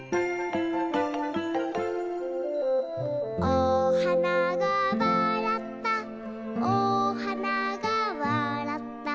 「おはながわらったおはながわらった」